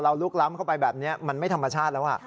ลุกล้ำเข้าไปแบบนี้มันไม่ธรรมชาติแล้ว